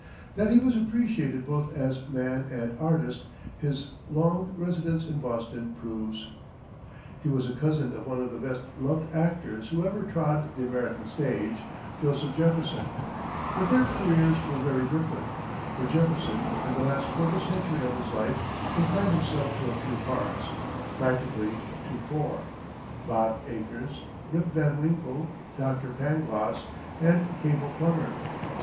That he was appreciated both as man and artist his long residence in Boston proves. He was a cousin of one of the best loved actors who ever trod the American stage Joseph Jefferson; but their careers were very different, for Jefferson, in the last quarter century of his life confined himself to a few parts practically to four, Bob Acres, Rip Van Winkle, Dr. Pangloss and Cabel Plummer.